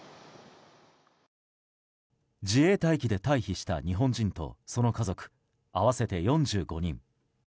自衛隊機で退避した日本人とその家族合わせて４５人。